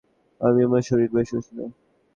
আমার শরীর বেশ ঊষ্ণ!